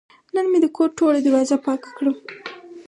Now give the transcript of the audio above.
نن مې د کور ټوله دروازه پاکه کړه.